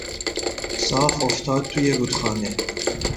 صاف افتاد توی رودخانه.